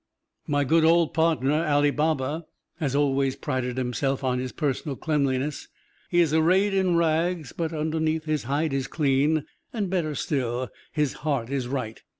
My good old partner, Ali Baba, has always prided himself on his personal cleanliness He is arrayed in rags, but underneath, his hide is clean, and better still, his heart is right.